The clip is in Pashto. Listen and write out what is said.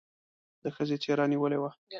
د ښځې څېره نېولې وه.